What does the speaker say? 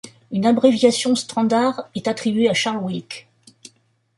Une abréviation standard est attribué à Charles Wilkes.